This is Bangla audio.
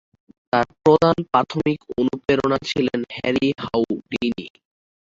তার প্রধান প্রাথমিক অনুপ্রেরণা ছিলেন হ্যারি হাউডিনি।